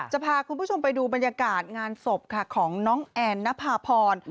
จะพาคุณผู้ชมไปดูบรรยากาศงานศพค่ะของน้องแอนนภาพร